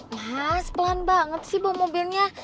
mas pelan banget sih bawa mobilnya